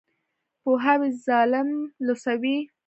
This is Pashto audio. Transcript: پوهاوی ظالم لوڅوي.